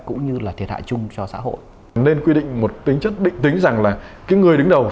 cũng như là thiệt hại chung cho xã hội